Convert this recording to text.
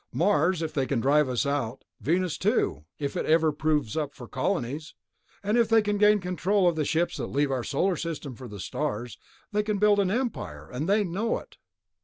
Mars, if they can drive us out. Venus too, if it ever proves up for colonies. And if they can gain control of the ships that leave our Solar System for the stars, they can build an empire, and they know it."